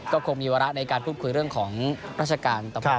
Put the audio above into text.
ก็คงมีเวลาในการพูดคุยเรื่องของราชการต่อมาด้วย